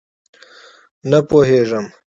_نه پوهېږم!